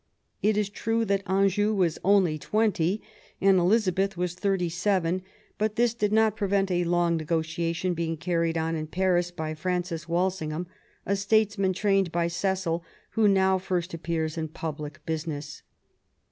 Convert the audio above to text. It is true that Anjou was only twenty and Elizabeth was thirty seven ; but this did not prevent a long negotiation being carried on in Paris by Francis Walsingham, a statesman trained by Cecil, who now first appears in public business.